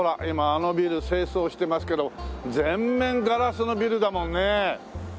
今あのビル清掃してますけど全面ガラスのビルだもんね。